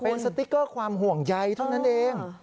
เป็นสติ๊กเกอร์ความห่วงใยเท่านั้นเอง